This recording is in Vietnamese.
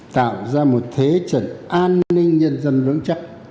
tạo ra một thế trận an ninh nhân dân vững chắc